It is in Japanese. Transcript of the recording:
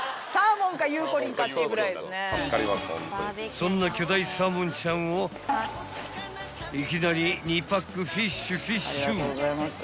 ［そんな巨大サーモンちゃんをいきなり２パックフィッシュフィッシュ］